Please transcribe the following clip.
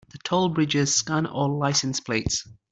The toll bridges scan all license plates.